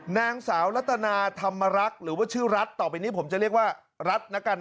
นางสาวรัตนาธรรมรักษ์หรือว่าชื่อรัฐต่อไปนี้ผมจะเรียกว่ารัฐแล้วกันนะ